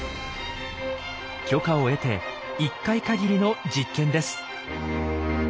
許可を得て１回限りの実験です。